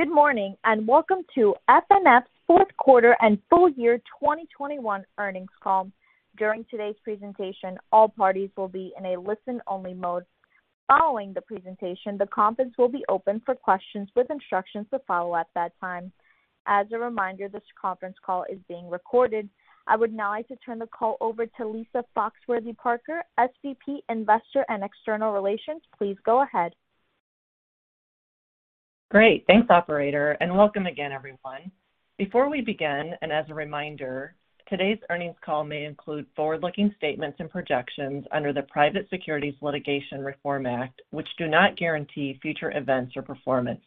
Good morning, and welcome to FNF's fourth quarter and full year 2021 earnings call. During today's presentation, all parties will be in a listen-only mode. Following the presentation, the conference will be open for questions with instructions to follow at that time. As a reminder, this conference call is being recorded. I would now like to turn the call over to Lisa Foxworthy-Parker, SVP, Investor and External Relations. Please go ahead. Great. Thanks, operator, and welcome again, everyone. Before we begin, and as a reminder, today's earnings call may include forward-looking statements and projections under the Private Securities Litigation Reform Act, which do not guarantee future events or performance.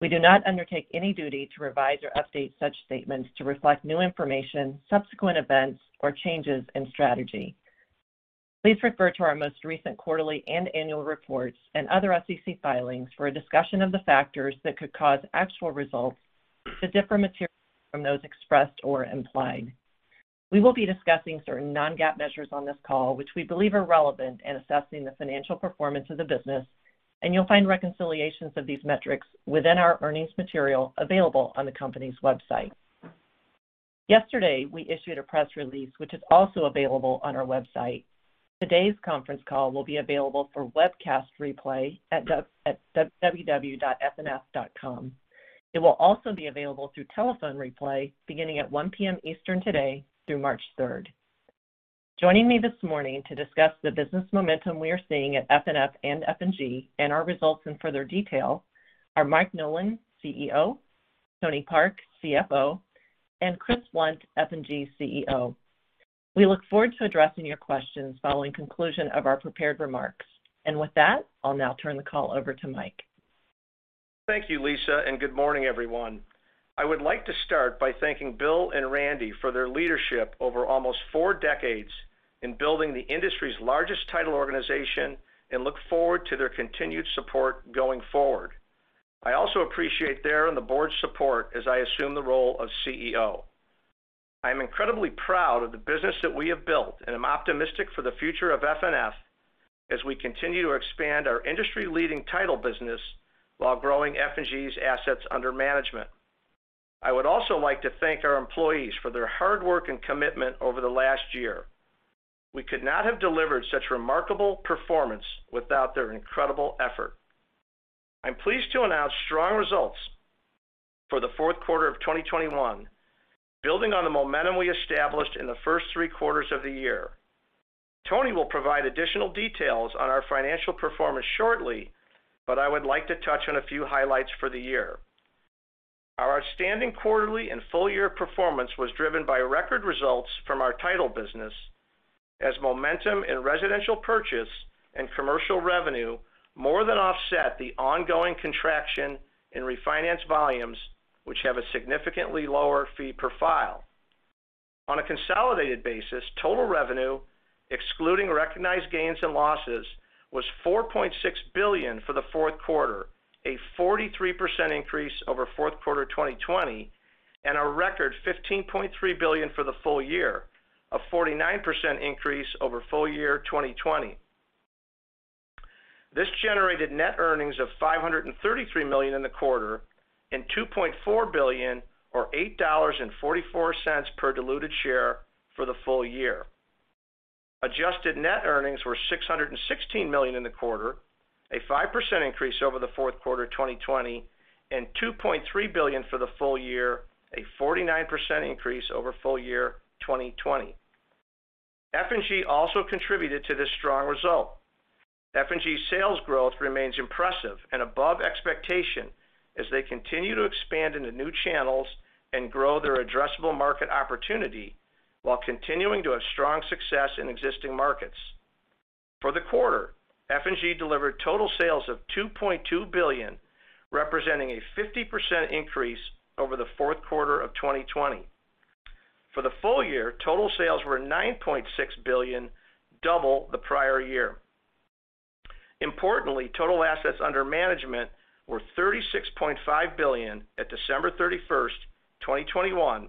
We do not undertake any duty to revise or update such statements to reflect new information, subsequent events, or changes in strategy. Please refer to our most recent quarterly and annual reports and other SEC filings for a discussion of the factors that could cause actual results to differ materially from those expressed or implied. We will be discussing certain non-GAAP measures on this call, which we believe are relevant in assessing the financial performance of the business, and you'll find reconciliations of these metrics within our earnings material available on the company's website. Yesterday, we issued a press release, which is also available on our website. Today's conference call will be available for webcast replay at www.fnf.com. It will also be available through telephone replay beginning at 1 P.M. Eastern today through March third. Joining me this morning to discuss the business momentum we are seeing at FNF and F&G and our results in further detail are Mike Nolan, CEO, Tony Park, CFO, and Chris Blunt, F&G CEO. We look forward to addressing your questions following conclusion of our prepared remarks. With that, I'll now turn the call over to Mike. Thank you, Lisa, and good morning, everyone. I would like to start by thanking Bill and Randy for their leadership over almost four decades in building the industry's largest title organization and look forward to their continued support going forward. I also appreciate their and the board's support as I assume the role of CEO. I'm incredibly proud of the business that we have built, and I'm optimistic for the future of FNF as we continue to expand our industry-leading title business while growing F&G's assets under management. I would also like to thank our employees for their hard work and commitment over the last year. We could not have delivered such remarkable performance without their incredible effort. I'm pleased to announce strong results for the fourth quarter of 2021, building on the momentum we established in the first three quarters of the year. Tony will provide additional details on our financial performance shortly, but I would like to touch on a few highlights for the year. Our outstanding quarterly and full-year performance was driven by record results from our title business as momentum in residential purchase and commercial revenue more than offset the ongoing contraction in refinance volumes, which have a significantly lower fee per file. On a consolidated basis, total revenue, excluding recognized gains and losses, was $4.6 billion for the fourth quarter, a 43% increase over fourth quarter 2020, and a record $15.3 billion for the full year, a 49% increase over full year 2020. This generated net earnings of $533 million in the quarter and $2.4 billion or $8.44 per diluted share for the full year. Adjusted net earnings were $616 million in the quarter, a 5% increase over the fourth quarter 2020, and $2.3 billion for the full year, a 49% increase over full year 2020. F&G also contributed to this strong result. F&G's sales growth remains impressive and above expectation as they continue to expand into new channels and grow their addressable market opportunity while continuing to have strong success in existing markets. For the quarter, F&G delivered total sales of $2.2 billion, representing a 50% increase over the fourth quarter of 2020. For the full year, total sales were $9.6 billion, double the prior year. Importantly, total assets under management were $36.5 billion at December 31, 2021,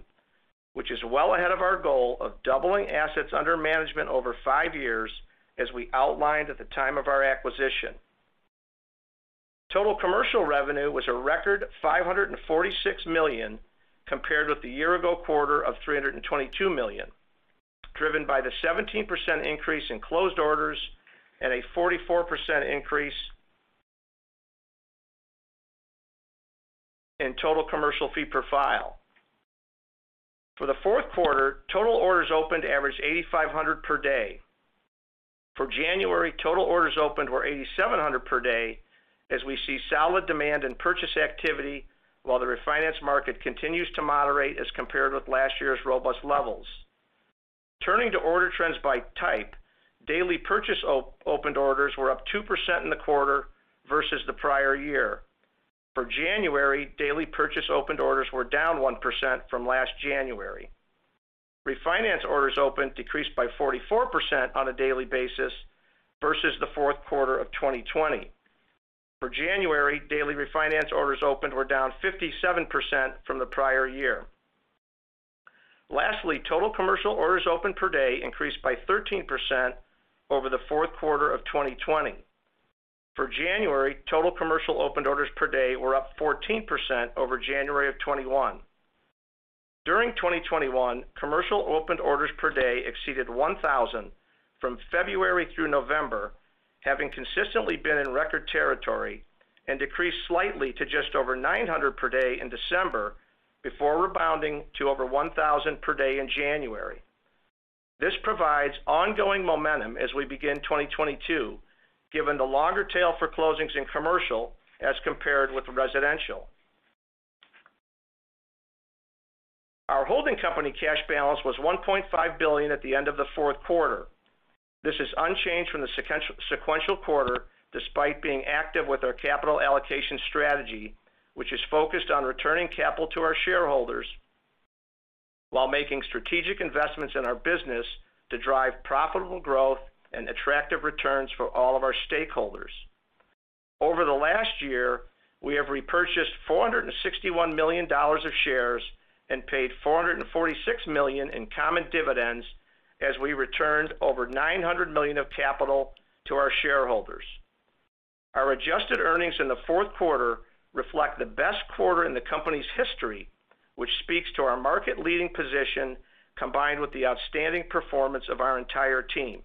which is well ahead of our goal of doubling assets under management over five years as we outlined at the time of our acquisition. Total commercial revenue was a record $546 million compared with the year-ago quarter of $322 million, driven by the 17% increase in closed orders and a 44% increase in total commercial fee per file. For the fourth quarter, total orders opened averaged 8,500 per day. For January, total orders opened were 8,700 per day as we see solid demand in purchase activity while the refinance market continues to moderate as compared with last year's robust levels. Turning to order trends by type, daily purchase opened orders were up 2% in the quarter versus the prior year. For January, daily purchase opened orders were down 1% from last January. Refinance orders opened decreased by 44% on a daily basis versus the fourth quarter of 2020. For January, daily refinance orders opened were down 57% from the prior year. Lastly, total commercial orders opened per day increased by 13% over the fourth quarter of 2020. For January, total commercial opened orders per day were up 14% over January of 2021. During 2021, commercial opened orders per day exceeded 1,000 from February through November, having consistently been in record territory, and decreased slightly to just over 900 per day in December before rebounding to over 1,000 per day in January. This provides ongoing momentum as we begin 2022, given the longer tail for closings in commercial as compared with residential. Our holding company cash balance was $1.5 billion at the end of the fourth quarter. This is unchanged from the sequential quarter, despite being active with our capital allocation strategy, which is focused on returning capital to our shareholders while making strategic investments in our business to drive profitable growth and attractive returns for all of our stakeholders. Over the last year, we have repurchased $461 million of shares and paid $446 million in common dividends as we returned over $900 million of capital to our shareholders. Our adjusted earnings in the fourth quarter reflect the best quarter in the company's history, which speaks to our market-leading position, combined with the outstanding performance of our entire team.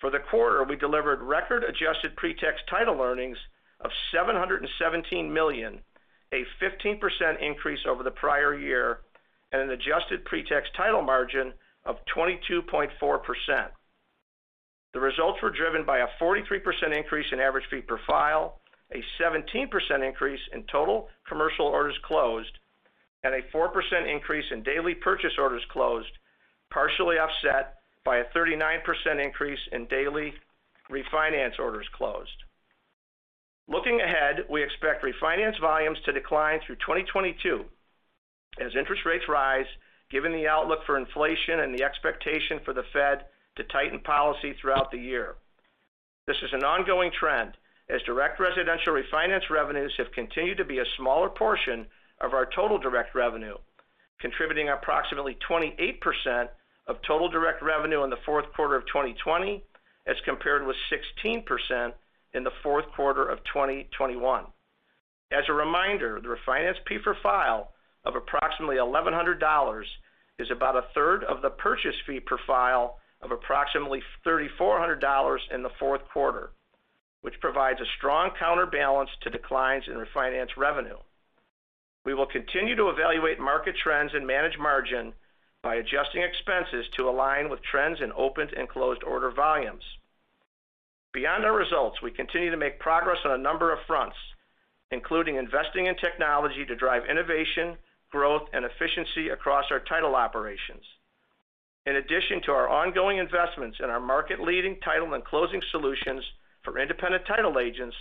For the quarter, we delivered record adjusted pre-tax title earnings of $717 million, a 15% increase over the prior year, and an adjusted pre-tax title margin of 22.4%. The results were driven by a 43% increase in average fee per file, a 17% increase in total commercial orders closed, and a 4% increase in daily purchase orders closed, partially offset by a 39% increase in daily refinance orders closed. Looking ahead, we expect refinance volumes to decline through 2022 as interest rates rise, given the outlook for inflation and the expectation for the Fed to tighten policy throughout the year. This is an ongoing trend, as direct residential refinance revenues have continued to be a smaller portion of our total direct revenue, contributing approximately 28% of total direct revenue in the fourth quarter of 2020, as compared with 16% in the fourth quarter of 2021. As a reminder, the refinance fee per file of approximately $1,100 is about a third of the purchase fee per file of approximately $3,400 in the fourth quarter, which provides a strong counterbalance to declines in refinance revenue. We will continue to evaluate market trends and manage margin by adjusting expenses to align with trends in opened and closed order volumes. Beyond our results, we continue to make progress on a number of fronts, including investing in technology to drive innovation, growth, and efficiency across our title operations. In addition to our ongoing investments in our market-leading title and closing solutions for independent title agents,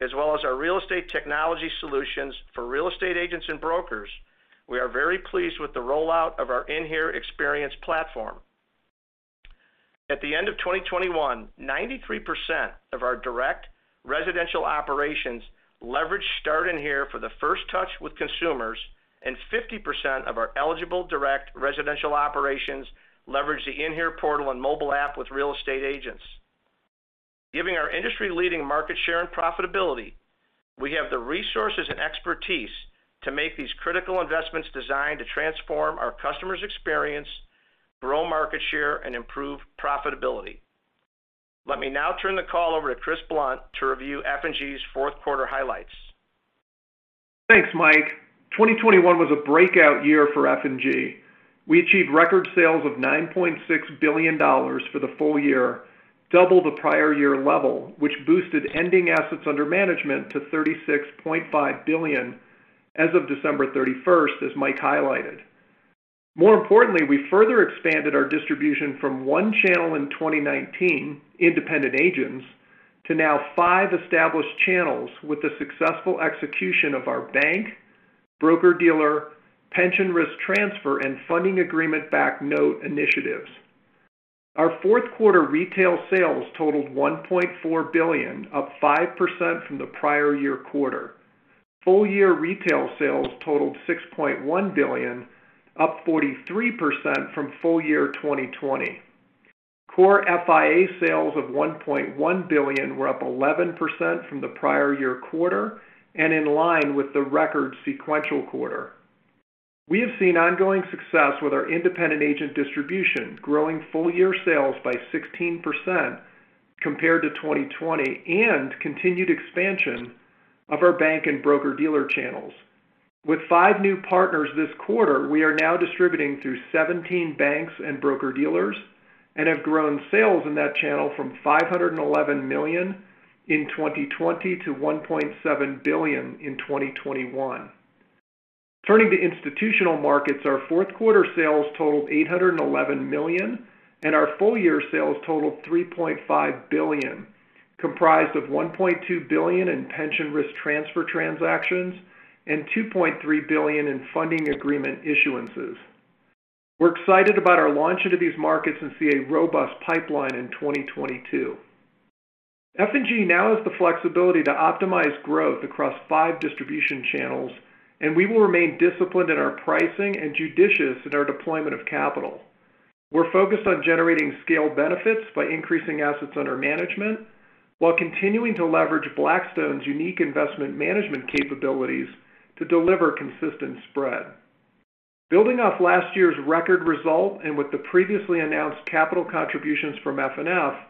as well as our real estate technology solutions for real estate agents and brokers, we are very pleased with the rollout of our inHere experience platform. At the end of 2021, 93% of our direct residential operations leveraged Start inHere for the first touch with consumers, and 50% of our eligible direct residential operations leveraged the inHere portal and mobile app with real estate agents. Given our industry-leading market share and profitability, we have the resources and expertise to make these critical investments designed to transform our customer's experience, grow market share, and improve profitability. Let me now turn the call over to Chris Blunt to review F&G's fourth quarter highlights. Thanks, Mike. 2021 was a breakout year for F&G. We achieved record sales of $9.6 billion for the full year, double the prior year level, which boosted ending assets under management to $36.5 billion as of December 31, as Mike highlighted. More importantly, we further expanded our distribution from one channel in 2019, independent agents, to now five established channels with the successful execution of our bank, broker-dealer, pension risk transfer, and funding agreement-backed note initiatives. Our fourth quarter retail sales totaled $1.4 billion, up 5% from the prior year quarter. Full year retail sales totaled $6.1 billion, up 43% from full year 2020. Core FIA sales of $1.1 billion were up 11% from the prior year quarter and in line with the record sequential quarter. We have seen ongoing success with our independent agent distribution, growing full year sales by 16% compared to 2020, and continued expansion of our bank and broker-dealer channels. With 5 new partners this quarter, we are now distributing through 17 banks and broker-dealers and have grown sales in that channel from $511 million in 2020 to $1.7 billion in 2021. Turning to institutional markets, our fourth quarter sales totaled $811 million, and our full year sales totaled $3.5 billion, comprised of $1.2 billion in pension risk transfer transactions and $2.3 billion in funding agreement issuances. We're excited about our launch into these markets and see a robust pipeline in 2022. F&G now has the flexibility to optimize growth across five distribution channels, and we will remain disciplined in our pricing and judicious in our deployment of capital. We're focused on generating scale benefits by increasing assets under management while continuing to leverage Blackstone's unique investment management capabilities to deliver consistent spread. Building off last year's record result and with the previously announced capital contributions from FNF,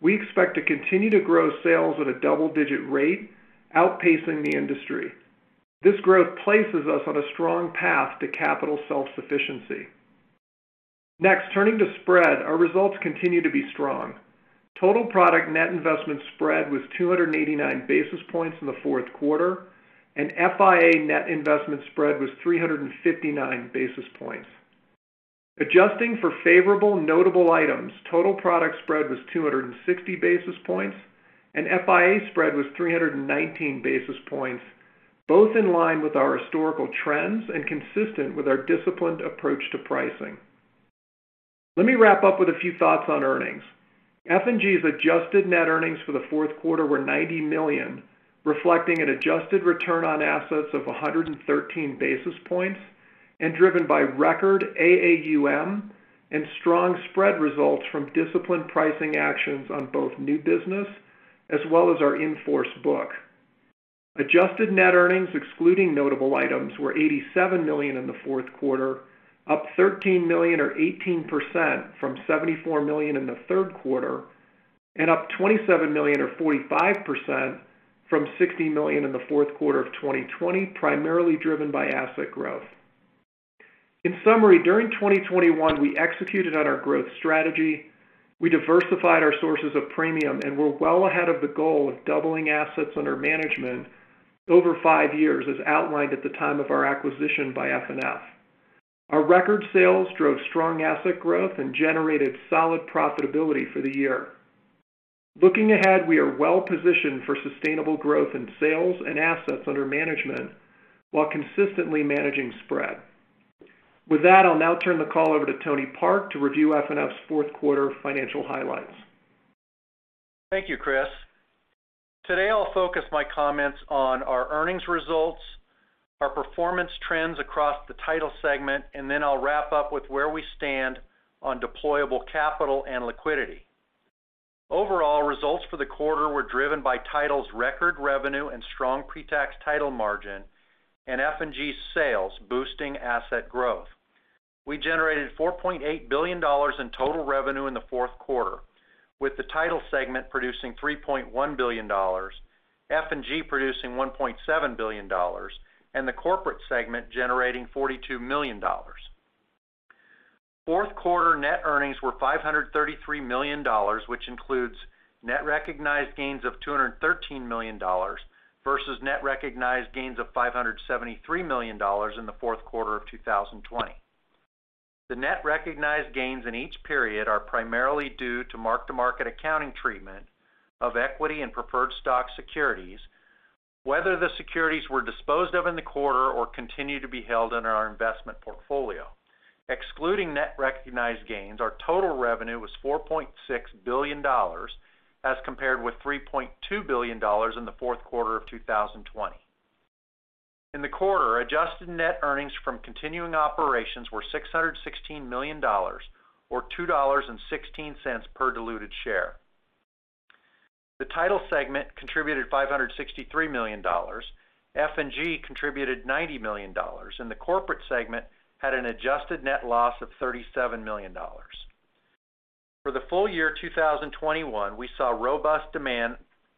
we expect to continue to grow sales at a double-digit rate, outpacing the industry. This growth places us on a strong path to capital self-sufficiency. Next, turning to spread. Our results continue to be strong. Total product net investment spread was 289 basis points in the fourth quarter, and FIA net investment spread was 359 basis points. Adjusting for favorable notable items, total product spread was 260 basis points, and FIA spread was 319 basis points, both in line with our historical trends and consistent with our disciplined approach to pricing. Let me wrap up with a few thoughts on earnings. F&G's adjusted net earnings for the fourth quarter were $90 million, reflecting an adjusted return on assets of 113 basis points and driven by record AAUM and strong spread results from disciplined pricing actions on both new business as well as our in-force book. Adjusted net earnings excluding notable items were $87 million in the fourth quarter, up $13 million or 18% from $74 million in the third quarter, and up $27 million or 45% from $60 million in the fourth quarter of 2020, primarily driven by asset growth. In summary, during 2021, we executed on our growth strategy. We diversified our sources of premium, and we're well ahead of the goal of doubling assets under management over five years, as outlined at the time of our acquisition by FNF. Our record sales drove strong asset growth and generated solid profitability for the year. Looking ahead, we are well positioned for sustainable growth in sales and assets under management while consistently managing spread. With that, I'll now turn the call over to Tony Park to review FNF's fourth quarter financial highlights. Thank you, Chris. Today, I'll focus my comments on our earnings results, our performance trends across the Title segment, and then I'll wrap up with where we stand on deployable capital and liquidity. Overall, results for the quarter were driven by Title's record revenue and strong pre-tax Title margin and F&G's sales boosting asset growth. We generated $4.8 billion in total revenue in the fourth quarter, with the Title segment producing $3.1 billion, F&G producing $1.7 billion, and the corporate segment generating $42 million. Fourth quarter net earnings were $533 million, which includes net recognized gains of $213 million versus net recognized gains of $573 million in the fourth quarter of 2020. The net recognized gains in each period are primarily due to mark-to-market accounting treatment of equity and preferred stock securities, whether the securities were disposed of in the quarter or continue to be held under our investment portfolio. Excluding net recognized gains, our total revenue was $4.6 billion as compared with $3.2 billion in the fourth quarter of 2020. In the quarter, adjusted net earnings from continuing operations were $616 million or $2.16 per diluted share. The title segment contributed $563 million, F&G contributed $90 million, and the corporate segment had an adjusted net loss of $37 million. For the full year 2021, we saw robust demand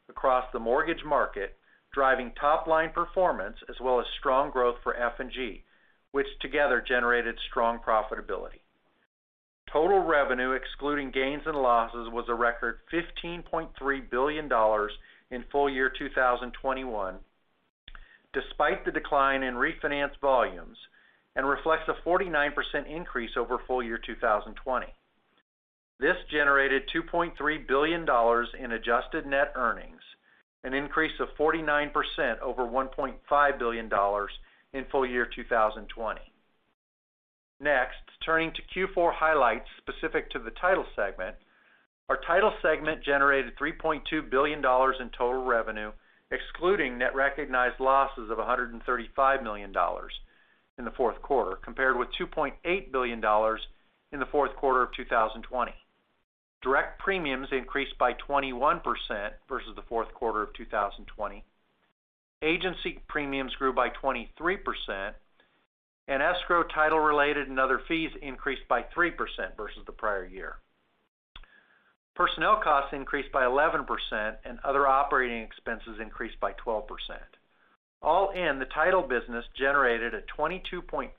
across the mortgage market, driving top-line performance as well as strong growth for F&G, which together generated strong profitability. Total revenue, excluding gains and losses, was a record $15.3 billion in full year 2021 despite the decline in refinance volumes and reflects a 49% increase over full year 2020. This generated $2.3 billion in adjusted net earnings, an increase of 49% over $1.5 billion in full year 2020. Next, turning to Q4 highlights specific to the title segment. Our Title segment generated $3.2 billion in total revenue, excluding net recognized losses of $135 million in the fourth quarter, compared with $2.8 billion in the fourth quarter of 2020. Direct premiums increased by 21% versus the fourth quarter of 2020. Agency premiums grew by 23%, and escrow, title-related and other fees increased by 3% versus the prior year. Personnel costs increased by 11%, and other operating expenses increased by 12%. All in, the title business generated a 22.4%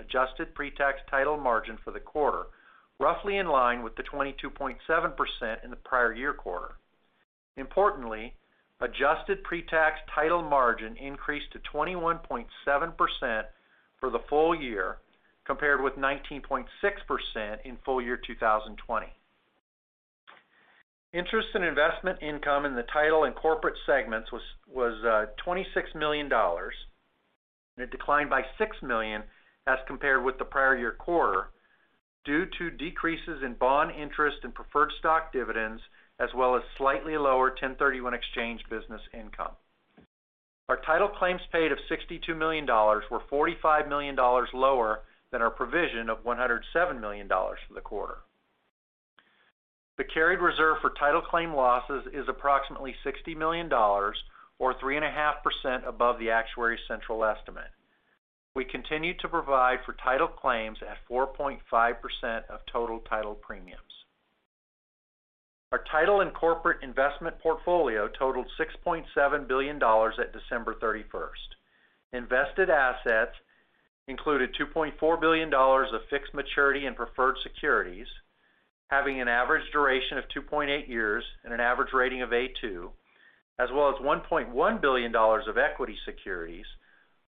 adjusted pre-tax title margin for the quarter, roughly in line with the 22.7% in the prior year quarter. Importantly, adjusted pre-tax title margin increased to 21.7% for the full year, compared with 19.6% in full year 2020. Interest and investment income in the title and corporate segments was $26 million. It declined by $6 million as compared with the prior year quarter due to decreases in bond interest and preferred stock dividends, as well as slightly lower 1031 exchange business income. Our title claims paid of $62 million were $45 million lower than our provision of $107 million for the quarter. The carried reserve for title claim losses is approximately $60 million or 3.5% above the actuary central estimate. We continue to provide for title claims at 4.5% of total title premiums. Our title and corporate investment portfolio totaled $6.7 billion at December 31. Invested assets included $2.4 billion of fixed maturity and preferred securities, having an average duration of 2.8 years and an average rating of A2, as well as $1.1 billion of equity securities,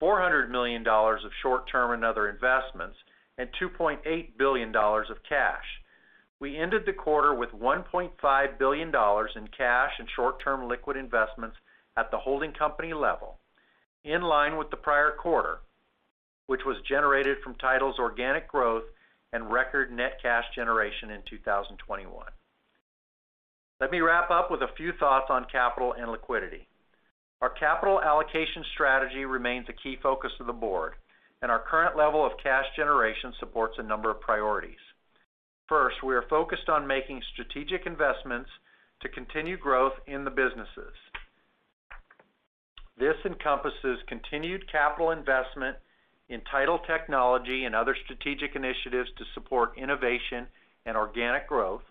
$400 million of short term and other investments, and $2.8 billion of cash. We ended the quarter with $1.5 billion in cash and short term liquid investments at the holding company level, in line with the prior quarter, which was generated from title's organic growth and record net cash generation in 2021. Let me wrap up with a few thoughts on capital and liquidity. Our capital allocation strategy remains a key focus of the board, and our current level of cash generation supports a number of priorities. First, we are focused on making strategic investments to continue growth in the businesses. This encompasses continued capital investment in title technology and other strategic initiatives to support innovation and organic growth,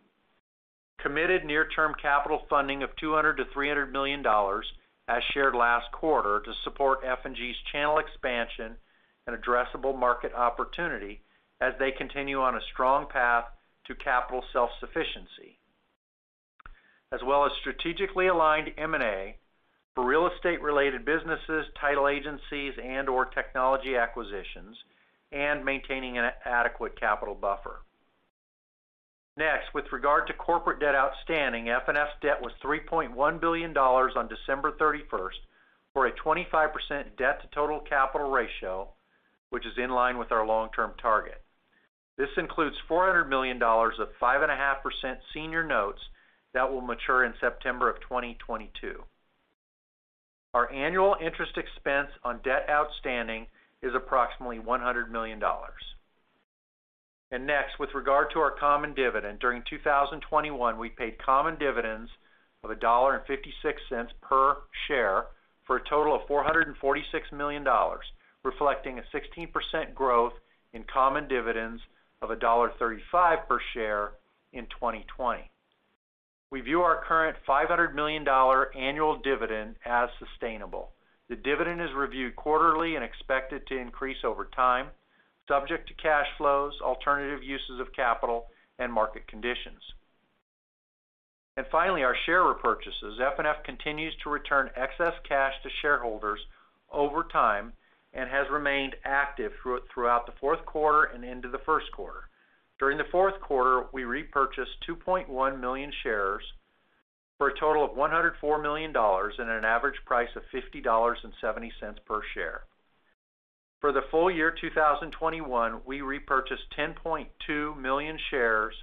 committed near-term capital funding of $200 million-$300 million, as shared last quarter, to support F&G's channel expansion and addressable market opportunity as they continue on a strong path to capital self-sufficiency, as well as strategically aligned M&A for real estate-related businesses, title agencies, and/or technology acquisitions, and maintaining an adequate capital buffer. Next, with regard to corporate debt outstanding, FNF debt was $3.1 billion on December 31, for a 25% debt-to-total-capital ratio, which is in line with our long-term target. This includes $400 million of 5.5% senior notes that will mature in September 2022. Our annual interest expense on debt outstanding is approximately $100 million. Next, with regard to our common dividend, during 2021, we paid common dividends of $1.56 per share for a total of $446 million, reflecting 16% growth in common dividends of $1.35 per share in 2020. We view our current $500 million annual dividend as sustainable. The dividend is reviewed quarterly and expected to increase over time, subject to cash flows, alternative uses of capital, and market conditions. Finally, our share repurchases. FNF continues to return excess cash to shareholders over time and has remained active throughout the fourth quarter and into the first quarter. During the fourth quarter, we repurchased 2.1 million shares for a total of $104 million and an average price of $50.70 per share. For the full year 2021, we repurchased 10.2 million shares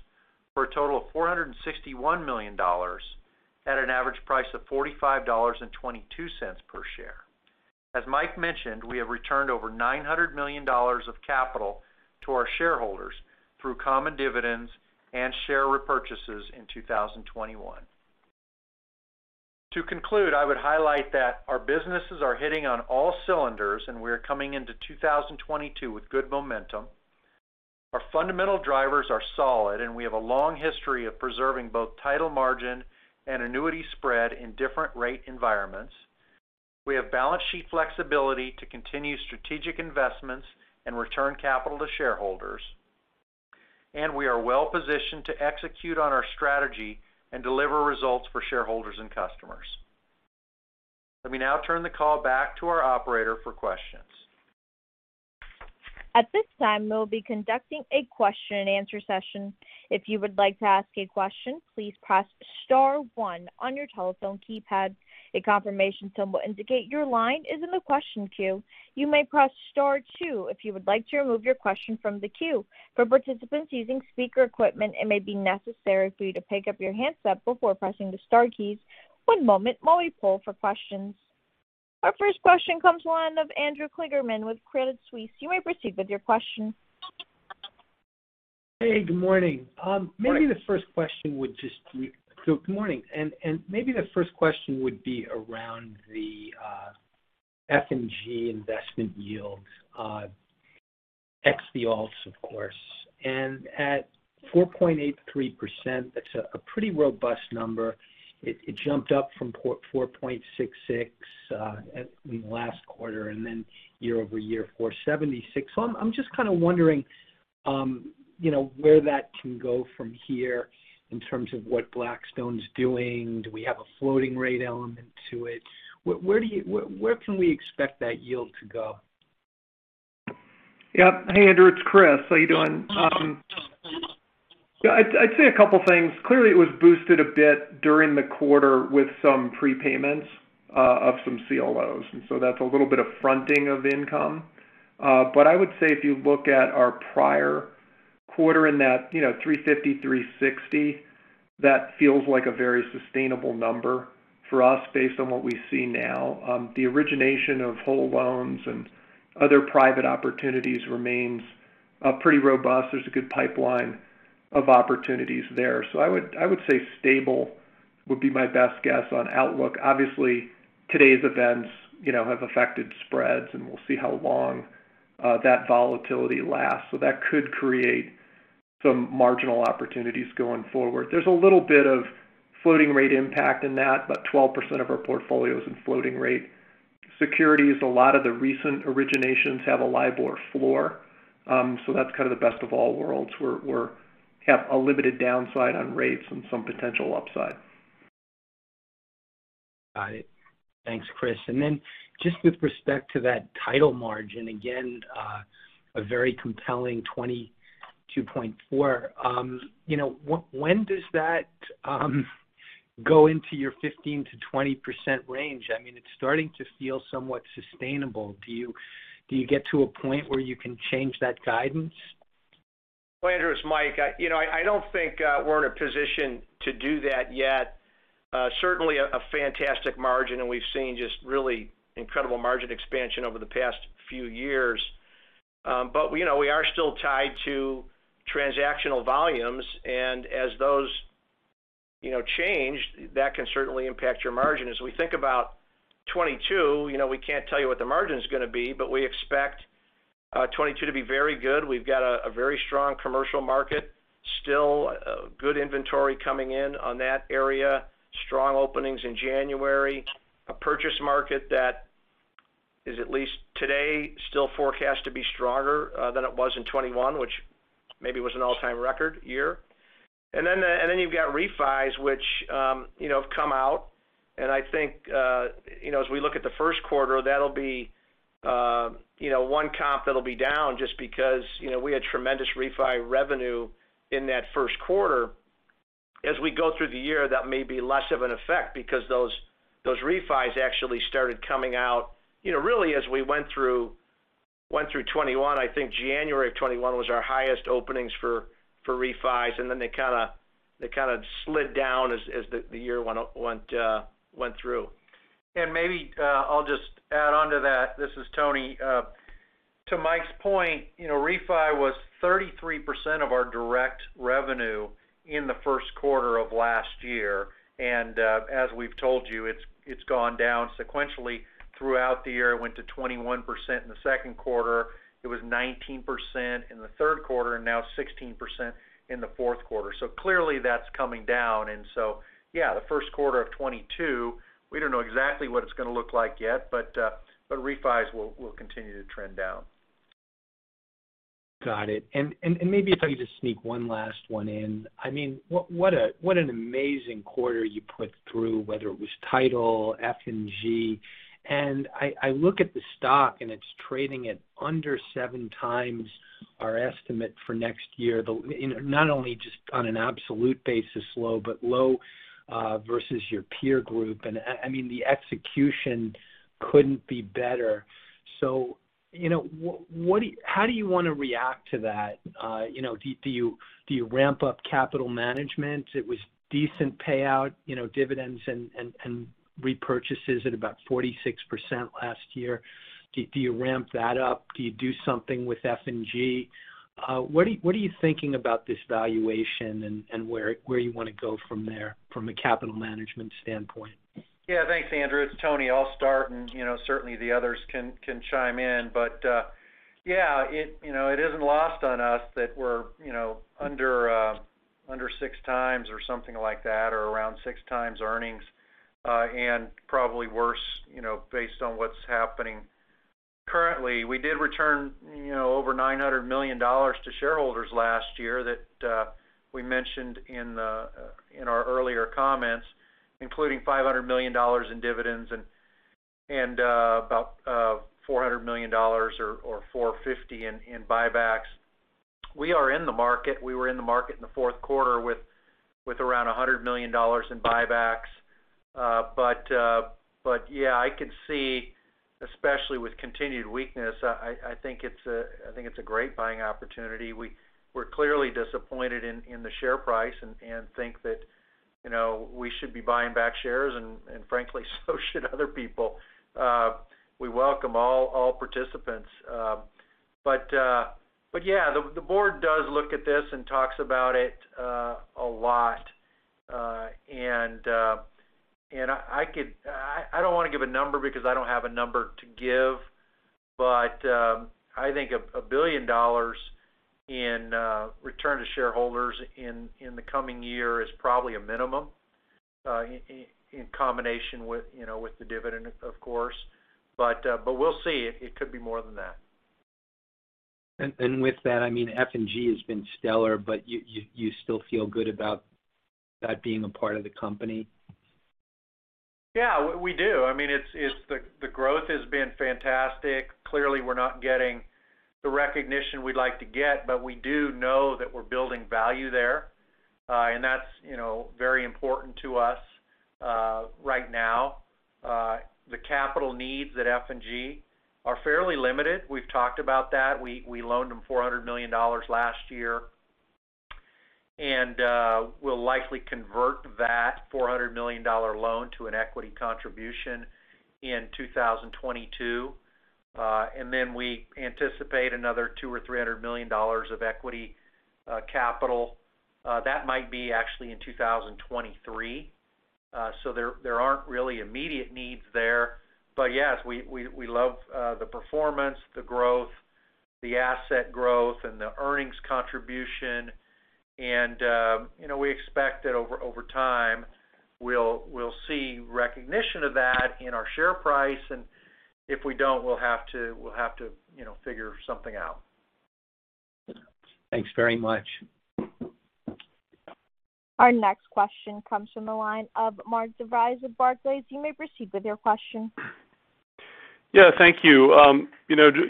for a total of $461 million at an average price of $45.22 per share. As Mike mentioned, we have returned over $900 million of capital to our shareholders through common dividends and share repurchases in 2021. To conclude, I would highlight that our businesses are hitting on all cylinders, and we are coming into 2022 with good momentum. Our fundamental drivers are solid, and we have a long history of preserving both title margin and annuity spread in different rate environments. We have balance sheet flexibility to continue strategic investments and return capital to shareholders. We are well positioned to execute on our strategy and deliver results for shareholders and customers. Let me now turn the call back to our operator for questions. At this time, we'll be conducting a question and answer session. If you would like to ask a question, please press star one on your telephone keypad. A confirmation tone will indicate your line is in the question queue. You may press star two if you would like to remove your question from the queue. For participants using speaker equipment, it may be necessary for you to pick up your handset before pressing the star keys. One moment while we poll for questions. Our first question comes to the line of Andrew Kligerman with Credit Suisse. You may proceed with your question. Hey, good morning. Hi. Good morning. Maybe the first question would be around the F&G investment yields ex the alts, of course. At 4.83%, that's a pretty robust number. It jumped up from 4.66 in the last quarter and then year over year 4.76. I'm just kinda wondering, you know, where that can go from here in terms of what Blackstone's doing. Do we have a floating rate element to it? Where can we expect that yield to go? Yep. Hey, Andrew, it's Chris. How you doing? Yeah, I'd say a couple things. Clearly, it was boosted a bit during the quarter with some prepayments of some CLOs. That's a little bit of fronting of income. But I would say if you look at our prior quarter in that, you know, $350-$360, that feels like a very sustainable number for us based on what we see now. The origination of whole loans and other private opportunities remains pretty robust. There's a good pipeline of opportunities there. I would say stable would be my best guess on outlook. Obviously, today's events, you know, have affected spreads, and we'll see how long that volatility lasts. That could create some marginal opportunities going forward. There's a little bit of floating rate impact in that. About 12% of our portfolio is in floating rate securities. A lot of the recent originations have a LIBOR floor. That's kind of the best of all worlds, where we have a limited downside on rates and some potential upside. Got it. Thanks, Chris. Just with respect to that title margin, again, a very compelling 22.4%. You know, when does that go into your 15%-20% range? I mean, it's starting to feel somewhat sustainable. Do you get to a point where you can change that guidance? Andrew, it's Mike. You know, I don't think we're in a position to do that yet. Certainly a fantastic margin, and we've seen just really incredible margin expansion over the past few years. But we know we are still tied to transactional volumes, and as those, you know, change, that can certainly impact your margin. As we think about 2022, you know, we can't tell you what the margin's gonna be, but we expect 2022 to be very good. We've got a very strong commercial market, still, good inventory coming in on that area. Strong openings in January. A purchase market that is at least today still forecast to be stronger than it was in 2021, which maybe was an all-time record year. Then you've got refis, which, you know, have come out. I think, you know, as we look at the first quarter, that'll be, you know, one comp that'll be down just because, you know, we had tremendous refi revenue in that first quarter. As we go through the year, that may be less of an effect because those refis actually started coming out, you know, really as we went through 2021. I think January of 2021 was our highest openings for refis, and then they kinda slid down as the year went through. Maybe, I'll just add onto that. This is Tony. To Mike's point, you know, refi was 33% of our direct revenue in the first quarter of last year. As we've told you, it's gone down sequentially throughout the year. It went to 21% in the second quarter. It was 19% in the third quarter, and now 16% in the fourth quarter. Clearly that's coming down. Yeah, the first quarter of 2022, we don't know exactly what it's gonna look like yet, but refis will continue to trend down. Got it. Maybe if I could just sneak one last one in. I mean, what an amazing quarter you put through, whether it was title, F&G. I look at the stock, and it's trading at under 7 times our estimate for next year, not only just on an absolute basis low, but low versus your peer group. I mean, the execution couldn't be better. You know, how do you wanna react to that? You know, do you ramp up capital management? It was decent payout, you know, dividends and repurchases at about 46% last year. Do you ramp that up? Do you do something with F&G? What are you thinking about this valuation and where you wanna go from there from a capital management standpoint? Yeah. Thanks, Andrew. It's Tony. I'll start, and you know, certainly the others can chime in. Yeah, it isn't lost on us that we're you know, under 6 times or something like that, or around 6 times earnings. Probably worse, you know, based on what's happening currently. We did return you know, over $900 million to shareholders last year that we mentioned in our earlier comments, including $500 million in dividends and about $400 million or $450 million in buybacks. We are in the market. We were in the market in the fourth quarter with around $100 million in buybacks. Yeah, I could see, especially with continued weakness, I think it's a great buying opportunity. We're clearly disappointed in the share price and think that, you know, we should be buying back shares and frankly, so should other people. We welcome all participants. Yeah, the board does look at this and talks about it a lot. I don't wanna give a number because I don't have a number to give, but I think $1 billion in return to shareholders in the coming year is probably a minimum in combination with, you know, with the dividend of course. We'll see. It could be more than that. With that, I mean, F&G has been stellar, but you still feel good about that being a part of the company? Yeah, we do. I mean, it's the growth has been fantastic. Clearly, we're not getting the recognition we'd like to get, but we do know that we're building value there. That's, you know, very important to us right now. The capital needs at F&G are fairly limited. We've talked about that. We loaned them $400 million last year. We'll likely convert that $400 million dollar loan to an equity contribution in 2022. We anticipate another $200 million-$300 million of equity capital. That might be actually in 2023. There aren't really immediate needs there. Yes, we love the performance, the growth, the asset growth, and the earnings contribution. You know, we expect that over time, we'll see recognition of that in our share price. If we don't, we'll have to, you know, figure something out. Thanks very much. Our next question comes from the line of Mark DeVries of Barclays. You may proceed with your question. Yeah, thank you.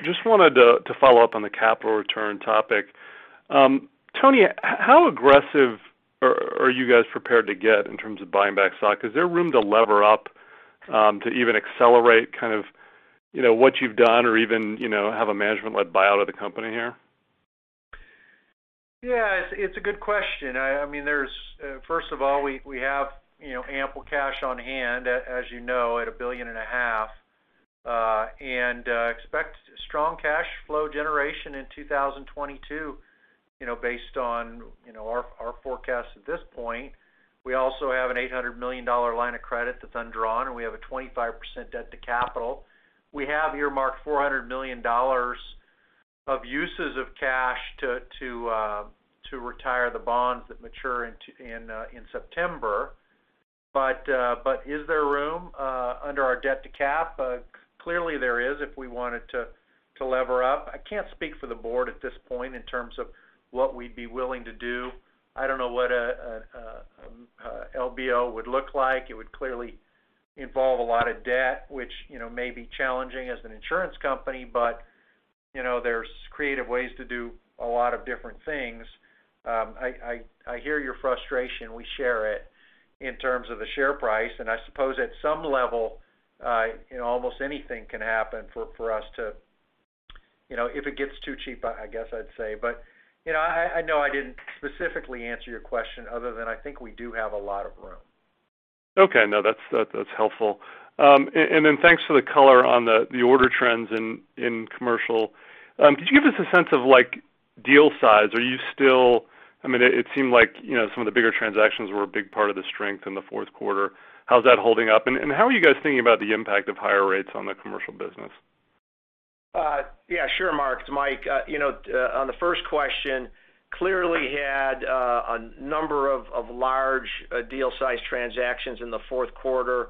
Just wanted to follow up on the capital return topic. Tony, how aggressive are you guys prepared to get in terms of buying back stock? Is there room to lever up to even accelerate kind of, you know, what you've done or even, you know, have a management-led buyout of the company here? Yeah, it's a good question. First of all, we have, you know, ample cash on hand, as you know, at $1.5 billion. We expect strong cash flow generation in 2022, you know, based on, you know, our forecast at this point. We also have an $800 million line of credit that's undrawn, and we have a 25% debt to capital. We have earmarked $400 million of uses of cash to retire the bonds that mature in September. Is there room under our debt to cap? Clearly there is if we wanted to lever up. I can't speak for the board at this point in terms of what we'd be willing to do. I don't know what a LBO would look like. It would clearly involve a lot of debt, which, you know, may be challenging as an insurance company, but, you know, there's creative ways to do a lot of different things. I hear your frustration. We share it in terms of the share price, and I suppose at some level, you know, almost anything can happen for us to. You know, if it gets too cheap, I guess I'd say. You know, I know I didn't specifically answer your question other than I think we do have a lot of room. Okay. No, that's helpful. Thanks for the color on the order trends in commercial. Could you give us a sense of, like, deal size? I mean, it seemed like, you know, some of the bigger transactions were a big part of the strength in the fourth quarter. How's that holding up? How are you guys thinking about the impact of higher rates on the commercial business? Yeah, sure, Mark. It's Mike. You know, on the first question, we clearly had a number of large deal size transactions in the fourth quarter.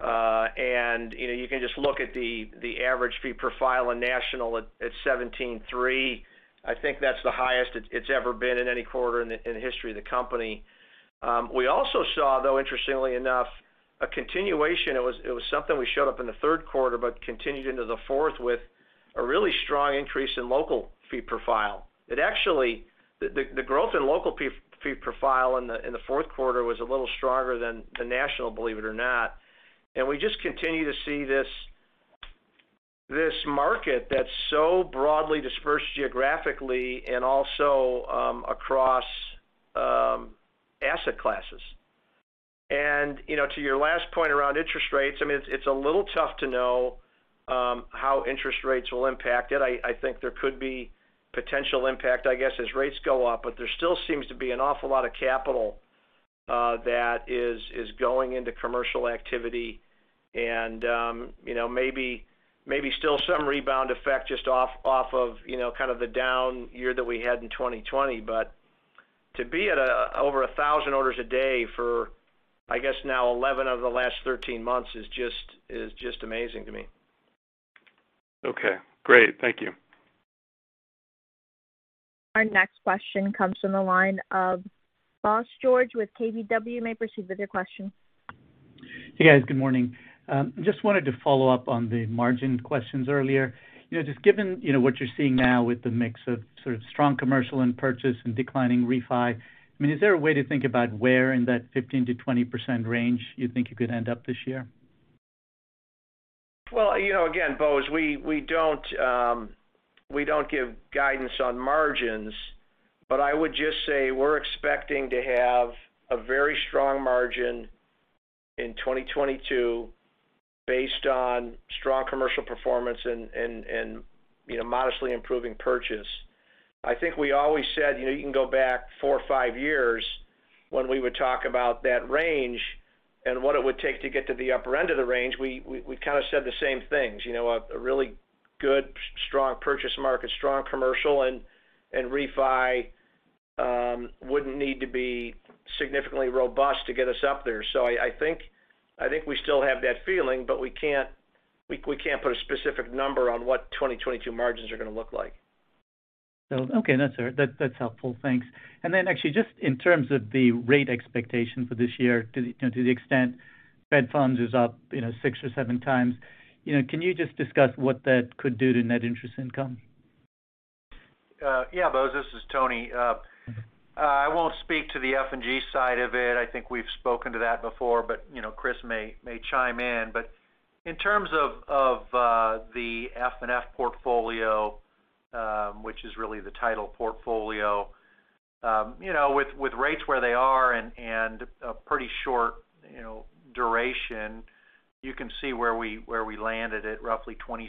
You know, you can just look at the average fee per file in national at $1,730. I think that's the highest it's ever been in any quarter in the history of the company. We also saw, though, interestingly enough, a continuation. It was something that showed up in the third quarter but continued into the fourth with a really strong increase in local fee per file. It actually, the growth in local fee per file in the fourth quarter was a little stronger than the national, believe it or not. We just continue to see this market that's so broadly dispersed geographically and also across asset classes. You know, to your last point around interest rates, I mean, it's a little tough to know how interest rates will impact it. I think there could be potential impact, I guess, as rates go up, but there still seems to be an awful lot of capital that is going into commercial activity and you know, maybe still some rebound effect just off of you know, kind of the down year that we had in 2020. To be at over 1,000 orders a day for, I guess now eleven of the last thirteen months is just amazing to me. Okay, great. Thank you. Our next question comes from the line of Bose George with KBW. You may proceed with your question. Hey, guys. Good morning. Just wanted to follow up on the margin questions earlier. You know, just given, you know, what you're seeing now with the mix of sort of strong commercial and purchase and declining refi, I mean, is there a way to think about where in that 15%-20% range you think you could end up this year? Well, you know, again, Boz, we don't give guidance on margins. I would just say we're expecting to have a very strong margin in 2022 based on strong commercial performance and, you know, modestly improving purchase. I think we always said, you know, you can go back 4 or 5 years when we would talk about that range and what it would take to get to the upper end of the range, we kind of said the same things. You know, a really good, strong purchase market, strong commercial and refi wouldn't need to be significantly robust to get us up there. I think we still have that feeling, but we can't put a specific number on what 2022 margins are gonna look like. Okay, that's all right. That's helpful. Thanks. Actually just in terms of the rate expectation for this year, to the extent Fed funds is up, you know, 6 or 7 times. You know, can you just discuss what that could do to net interest income? Yeah, Boz. This is Tony. I won't speak to the F&G side of it. I think we've spoken to that before, but you know, Chris may chime in. In terms of the FNF portfolio, which is really the title portfolio, you know, with rates where they are and a pretty short duration, you can see where we landed at roughly $26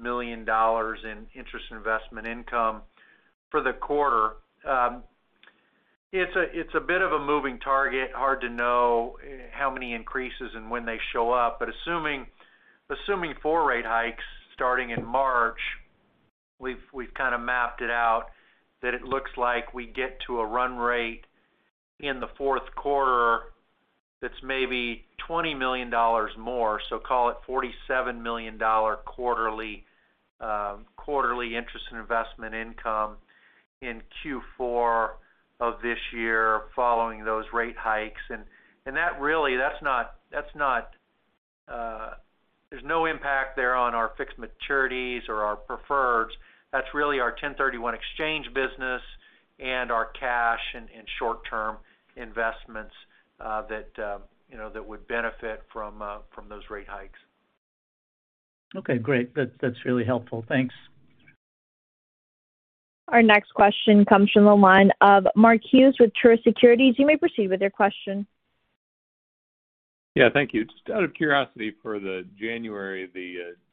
million in interest investment income for the quarter. It's a bit of a moving target. Hard to know how many increases and when they show up. Assuming 4 rate hikes starting in March, we've kind of mapped it out that it looks like we get to a run rate in the fourth quarter that's maybe $20 million more. Call it $47 million quarterly interest and investment income in Q4 of this year following those rate hikes. That really, that's not. There's no impact there on our fixed maturities or our preferreds. That's really our 1031 exchange business and our cash and short-term investments that you know that would benefit from those rate hikes. Okay, great. That, that's really helpful. Thanks. Our next question comes from the line of Mark Hughes with Truist Securities. You may proceed with your question. Yeah, thank you. Just out of curiosity for the January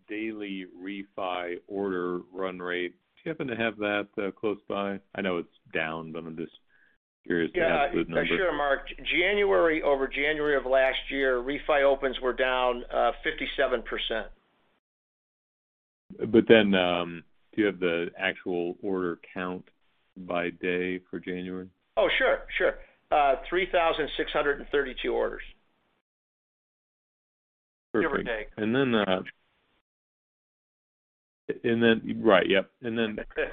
daily refi order run rate. Do you happen to have that close by? I know it's down, but I'm just curious to have those numbers. Yeah. I'm sure, Mark. January over January of last year, refi opens were down 57%. Do you have the actual order count by day for January? Oh, sure. Sure. 3,632 orders. Perfect. Every day.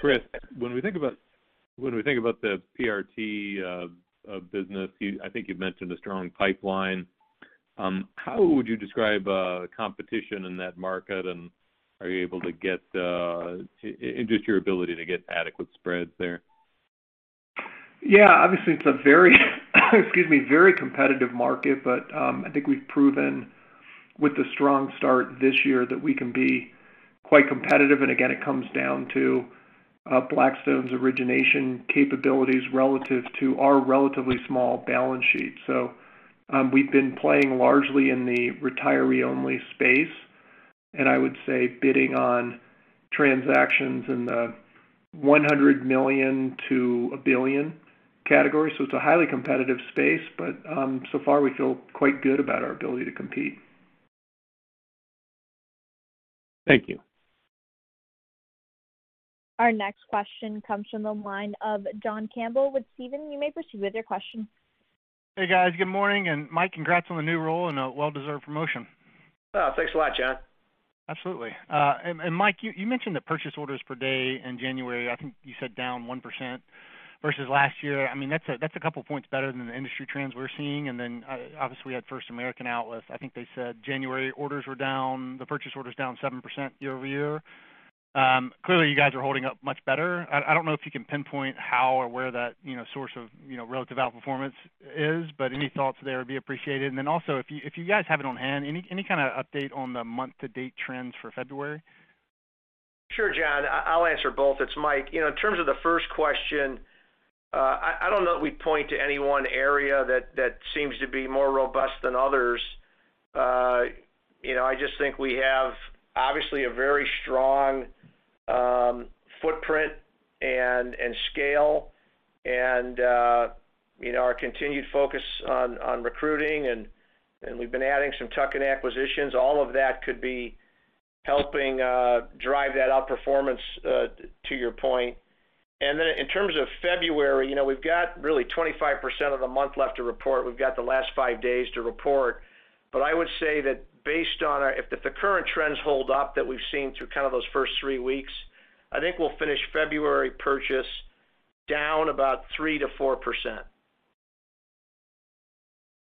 Chris, when we think about the PRT business, I think you've mentioned a strong pipeline. How would you describe competition in that market, and are you able to get, and just your ability to get adequate spreads there? Yeah, obviously, it's a very competitive market. I think we've proven with the strong start this year that we can be quite competitive. Again, it comes down to Blackstone's origination capabilities relative to our relatively small balance sheet. We've been playing largely in the retiree-only space, and I would say bidding on transactions in the $100 million-$1 billion category. It's a highly competitive space. So far, we feel quite good about our ability to compete. Thank you. Our next question comes from the line of John Campbell with Stephens. You may proceed with your question. Hey, guys. Good morning. Mike, congrats on the new role and a well-deserved promotion. Oh, thanks a lot, John. Absolutely. Mike, you mentioned the purchase orders per day in January. I think you said down 1% versus last year. I mean, that's a couple points better than the industry trends we're seeing. Then, obviously, we had First American outlooks. I think they said January orders were down, purchase orders down 7% year-over-year. Clearly, you guys are holding up much better. I don't know if you can pinpoint how or where that source of relative outperformance is, but any thoughts there would be appreciated. Also, if you guys have it on hand, any kind of update on the month-to-date trends for February? Sure, John. I'll answer both. It's Mike. You know, in terms of the first question, I don't know if we'd point to any one area that seems to be more robust than others. You know, I just think we have obviously a very strong footprint and scale and, you know, our continued focus on recruiting and we've been adding some tuck-in acquisitions. All of that could be helping drive that outperformance to your point. In terms of February, you know, we've got really 25% of the month left to report. We've got the last 5 days to report. I would say that if the current trends hold up that we've seen through kind of those first 3 weeks, I think we'll finish February purchase down about 3%-4%.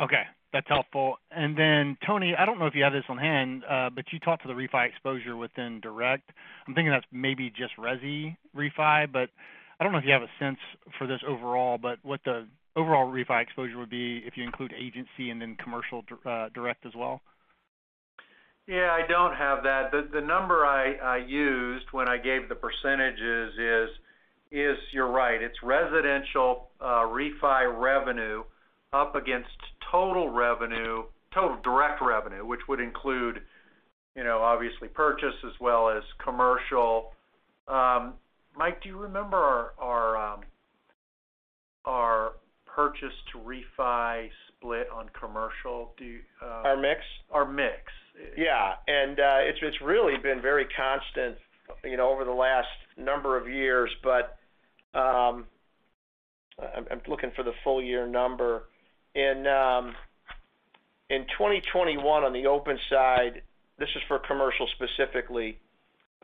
Okay, that's helpful. Tony, I don't know if you have this on hand, but you talked to the refi exposure within direct. I'm thinking that's maybe just resi refi, but I don't know if you have a sense for this overall, but what the overall refi exposure would be if you include agency and then commercial direct as well. Yeah, I don't have that. The number I used when I gave the percentages is, you're right. It's residential refi revenue up against total revenue, total direct revenue, which would include, you know, obviously purchase as well as commercial. Mike, do you remember our purchase to refi split on commercial? Do- Our mix? Our mix. Yeah. It's really been very constant, you know, over the last number of years. I'm looking for the full year number. In 2021 on the open side, this is for commercial specifically,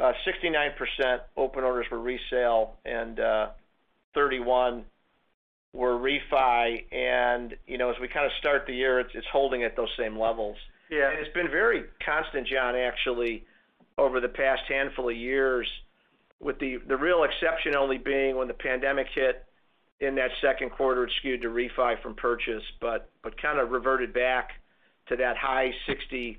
69% open orders were resale and 31 were refi. As we kind of start the year, it's holding at those same levels. Yeah. It's been very constant, John, actually over the past handful of years. With the real exception only being when the pandemic hit in that second quarter, it skewed to refi from purchase, but kind of reverted back to that high 60%+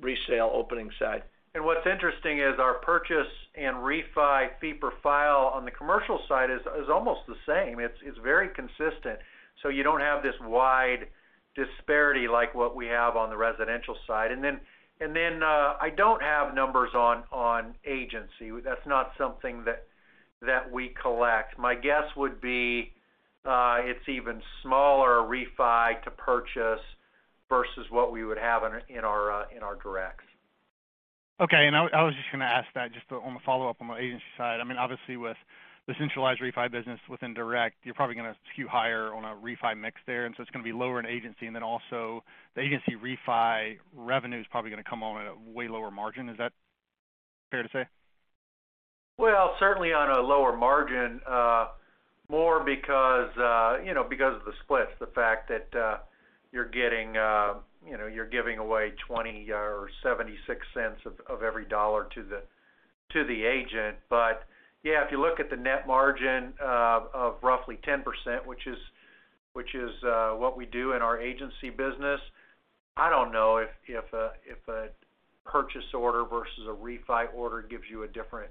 resale opening side. What's interesting is our purchase and refi fee per file on the commercial side is almost the same. It's very consistent. So you don't have this wide disparity like what we have on the residential side. I don't have numbers on agency. That's not something that we collect. My guess would be it's even smaller refi to purchase versus what we would have in our direct. Okay. I was just gonna ask that just on the follow-up on the agency side. I mean, obviously with the centralized refi business within direct, you're probably gonna skew higher on a refi mix there, and so it's gonna be lower in agency. Then also the agency refi revenue is probably gonna come on at a way lower margin. Is that fair to say? Well, certainly on a lower margin, more because, you know, because of the splits, the fact that you're getting, you know, you're giving away $0.20 or $0.76 of every dollar to the agent. Yeah, if you look at the net margin of roughly 10%, which is what we do in our agency business, I don't know if a purchase order versus a refi order gives you a different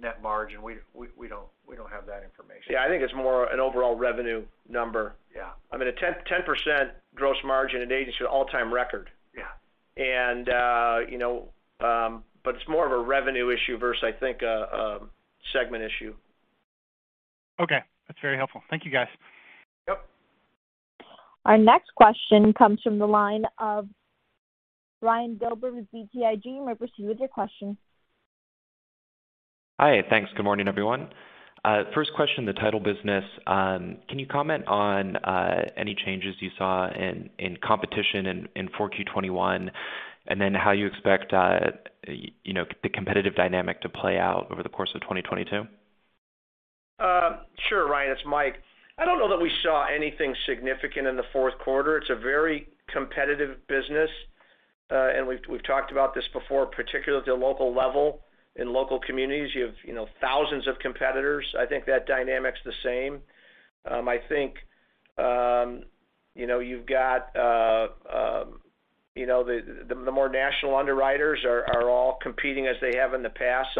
net margin. We don't have that information. Yeah. I think it's more an overall revenue number. Yeah. I mean, a 10% gross margin in agency all-time record. Yeah. You know, but it's more of a revenue issue versus, I think, a segment issue. Okay. That's very helpful. Thank you, guys. Yep. Our next question comes from the line of Ryan Gilbert with BTIG. You may proceed with your question. Hi. Thanks. Good morning, everyone. First question, the title business. Can you comment on any changes you saw in competition in 4Q 2021, and then how you expect, you know, the competitive dynamic to play out over the course of 2022? Sure, Ryan. It's Mike. I don't know that we saw anything significant in the fourth quarter. It's a very competitive business. We've talked about this before, particularly at the local level. In local communities, you have, you know, thousands of competitors. I think that dynamic's the same. I think, you know, you've got, you know, the more national underwriters are all competing as they have in the past.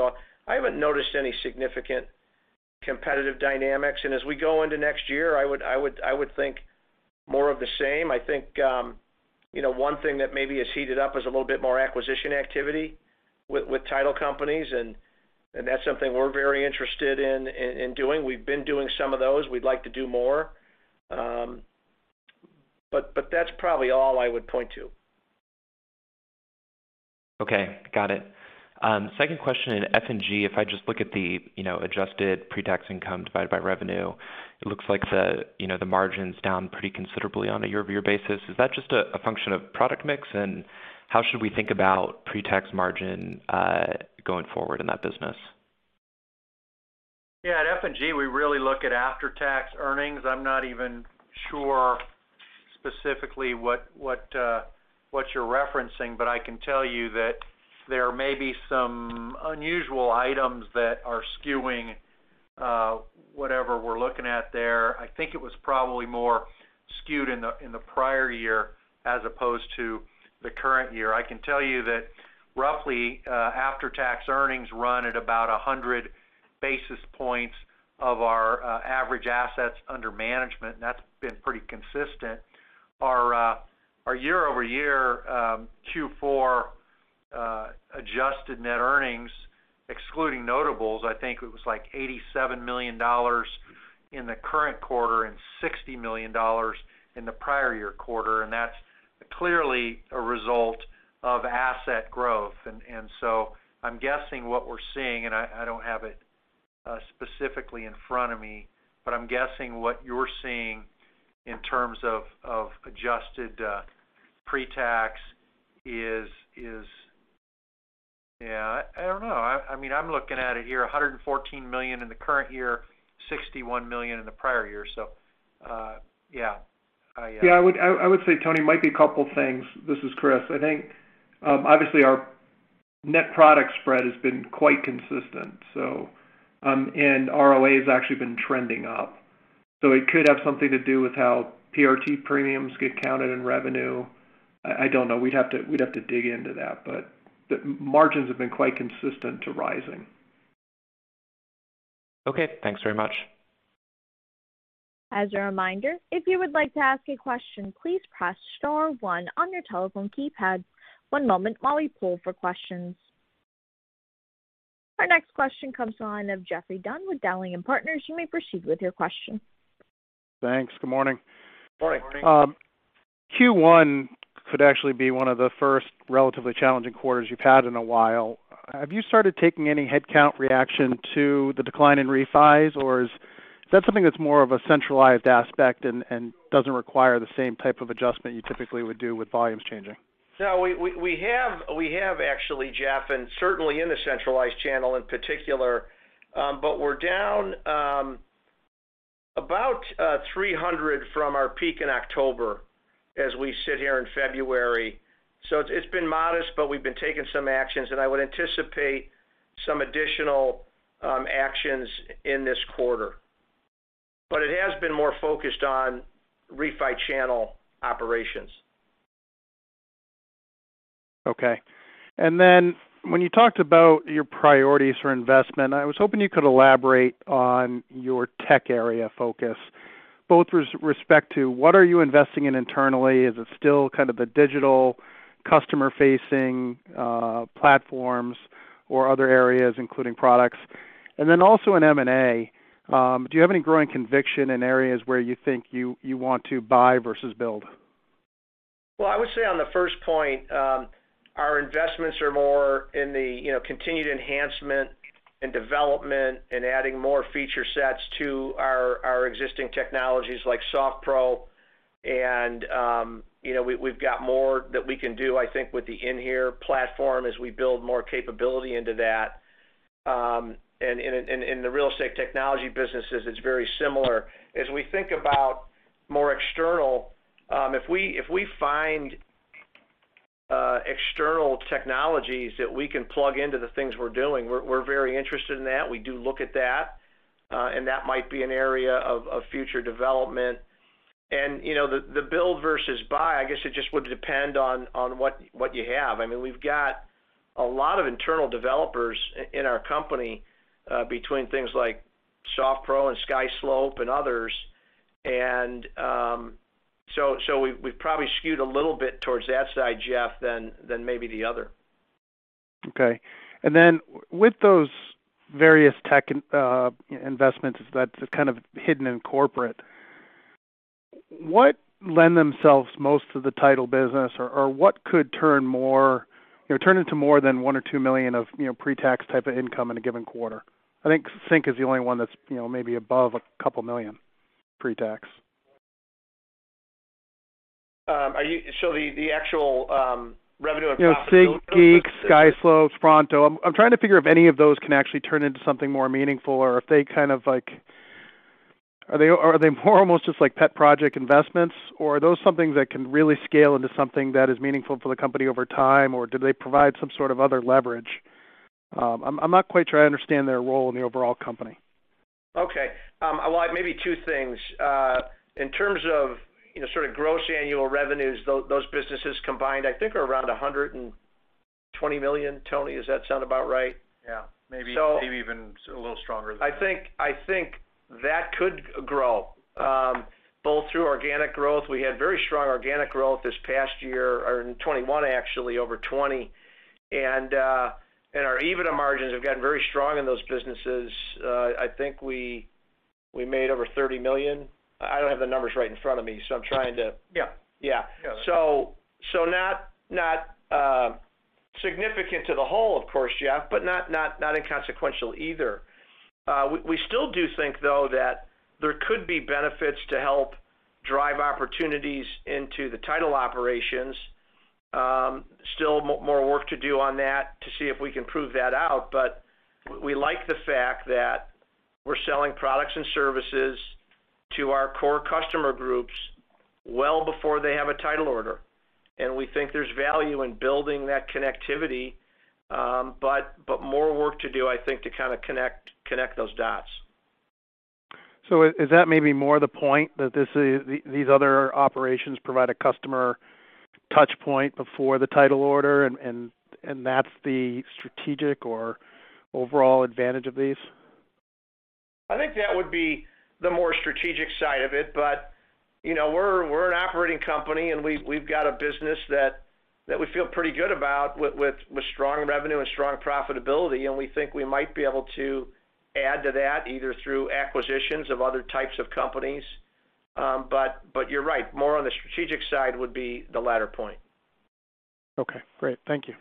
I haven't noticed any significant competitive dynamics. As we go into next year, I would think more of the same. I think, you know, one thing that maybe has heated up is a little bit more acquisition activity with title companies and that's something we're very interested in doing. We've been doing some of those. We'd like to do more. That's probably all I would point to. Okay. Got it. Second question in F&G. If I just look at the, you know, adjusted pre-tax income divided by revenue, it looks like the, you know, the margin's down pretty considerably on a year-over-year basis. Is that just a function of product mix, and how should we think about pre-tax margin going forward in that business? Yeah. At F&G, we really look at after-tax earnings. I'm not even sure specifically what you're referencing. I can tell you that there may be some unusual items that are skewing whatever we're looking at there. I think it was probably more skewed in the prior year as opposed to the current year. I can tell you that roughly after-tax earnings run at about 100 basis points of our average assets under management, and that's been pretty consistent. Our year-over-year Q4 adjusted net earnings, excluding notables, I think it was like $87 million in the current quarter and $60 million in the prior year quarter, and that's clearly a result of asset growth. I'm guessing what we're seeing, and I don't have it specifically in front of me, but I'm guessing what you're seeing in terms of adjusted pre-tax is. Yeah, I don't know. I mean, I'm looking at it here. $114 million in the current year, $61 million in the prior year. I Yeah. I would say, Tony, it might be a couple things. This is Chris. I think obviously our net product spread has been quite consistent. ROA has actually been trending up. It could have something to do with how PRT premiums get counted in revenue. I don't know. We'd have to dig into that. The margins have been quite consistent to rising. Okay. Thanks very much. As a reminder, if you would like to ask a question, please press star one on your telephone keypad. One moment while we poll for questions. Our next question comes to the line of Geoffrey Dunn with Dowling & Partners. You may proceed with your question. Thanks. Good morning. Good morning. Q1 could actually be one of the first relatively challenging quarters you've had in a while. Have you started taking any headcount reaction to the decline in refis or is that something that's more of a centralized aspect and doesn't require the same type of adjustment you typically would do with volumes changing? No, we have actually, Jeff, and certainly in the centralized channel in particular. But we're down about 300 from our peak in October as we sit here in February. It's been modest, but we've been taking some actions, and I would anticipate some additional actions in this quarter. It has been more focused on refi channel operations. Okay. When you talked about your priorities for investment, I was hoping you could elaborate on your tech area focus, both respect to what are you investing in internally? Is it still kind of the digital customer-facing platforms or other areas, including products? In M&A, do you have any growing conviction in areas where you think you want to buy versus build? Well, I would say on the first point, our investments are more in the, you know, continued enhancement and development and adding more feature sets to our existing technologies like SoftPro and, you know, we've got more that we can do, I think, with the inHere platform as we build more capability into that. In the real estate technology businesses, it's very similar. As we think about more external, if we find external technologies that we can plug into the things we're doing, we're very interested in that. We do look at that, and that might be an area of future development. You know, the build versus buy, I guess it just would depend on what you have. I mean, we've got a lot of internal developers in our company, between things like SoftPro and SkySlope and others. We've probably skewed a little bit towards that side, Jeff, than maybe the other. Okay. Then with those various tech investments that's kind of hidden in corporate, what lend themselves most to the title business or what could turn more, you know, turn into more than $1-$2 million of, you know, pre-tax type of income in a given quarter? I think CINC is the only one that's, you know, maybe above a couple million pre-tax. The actual revenue and profitability. You know, CINC, Real Geeks, SkySlope, Front Office. I'm trying to figure if any of those can actually turn into something more meaningful or if they kind of like, are they more almost just like pet project investments or are those some things that can really scale into something that is meaningful for the company over time, or do they provide some sort of other leverage? I'm not quite sure I understand their role in the overall company. Okay. Well, maybe two things. In terms of, you know, sort of gross annual revenues, those businesses combined, I think are around $100 million. Tony, does that sound about right? Yeah. So- Maybe even a little stronger than that. I think that could grow both through organic growth. We had very strong organic growth this past year, or in 2021 actually, over 2020, and our EBITDA margins have gotten very strong in those businesses. I think we made over $30 million. I don't have the numbers right in front of me, so I'm trying to Yeah. Yeah. Yeah, that's. Not significant to the whole, of course, Jeff, but not inconsequential either. We still do think though that there could be benefits to help drive opportunities into the title operations. Still more work to do on that to see if we can prove that out. We like the fact that we're selling products and services to our core customer groups well before they have a title order. We think there's value in building that connectivity, but more work to do, I think, to kinda connect those dots. Is that maybe more the point that this is these other operations provide a customer touch point before the title order and that's the strategic or overall advantage of these? I think that would be the more strategic side of it. You know, we're an operating company, and we've got a business that we feel pretty good about with strong revenue and strong profitability, and we think we might be able to add to that either through acquisitions of other types of companies. But you're right, more on the strategic side would be the latter point. Okay, great. Thank you.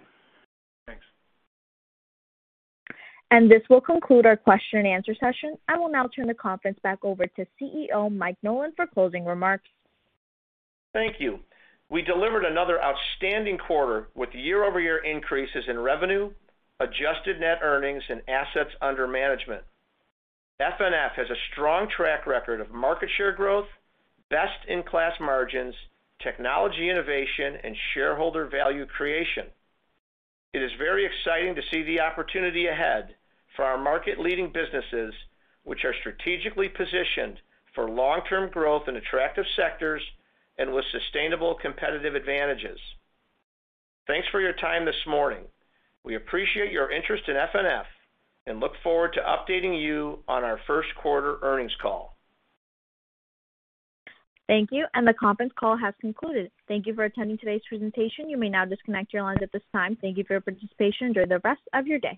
Thanks. This will conclude our question and answer session. I will now turn the conference back over to CEO Mike Nolan for closing remarks. Thank you. We delivered another outstanding quarter with year-over-year increases in revenue, adjusted net earnings, and assets under management. FNF has a strong track record of market share growth, best-in-class margins, technology innovation, and shareholder value creation. It is very exciting to see the opportunity ahead for our market-leading businesses, which are strategically positioned for long-term growth in attractive sectors and with sustainable competitive advantages. Thanks for your time this morning. We appreciate your interest in FNF and look forward to updating you on our first quarter earnings call. Thank you. The conference call has concluded. Thank you for attending today's presentation. You may now disconnect your lines at this time. Thank you for your participation. Enjoy the rest of your day.